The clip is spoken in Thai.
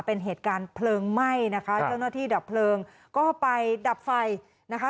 เป็นเหตุการณ์เพลิงไหม้นะคะเจ้าหน้าที่ดับเพลิงก็ไปดับไฟนะคะ